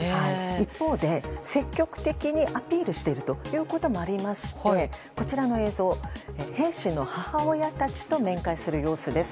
一方で積極的にアピールしているということもありましてこちらの映像兵士の母親たちと面会する様子です。